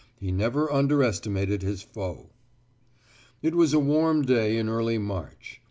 He never under estimated his foe. It was a warm day in early March.